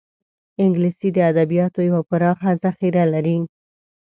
انګلیسي د ادبیاتو یوه پراخه ذخیره لري